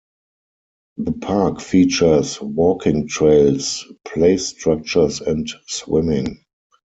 The park features walking trails, play structures and swimming.